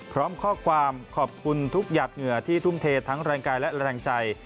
พร้อมข้อความขอบคุณทุกหยาดเหงื่อที่ทุ่มเททั้งแรงกายและแรงใจ